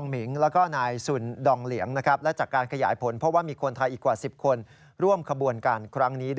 เพราะว่าตอนนี้ทำข่าวอยู่ที่ฝั่งภาคไทยนะคะ